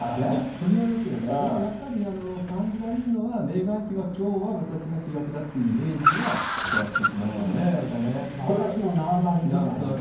取りようですね、でもやっぱり感じられるのは、メーガン妃は、きょうは私が主役だっていうイメージは伝わってきますよね、なん私の縄張りみたいな。